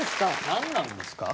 何なんですか？